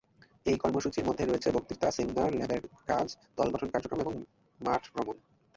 এই কর্মসূচির মধ্যে রয়েছে বক্তৃতা, সেমিনার, ল্যাবের কাজ, দল গঠন কার্যক্রম এবং মাঠ ভ্রমণ।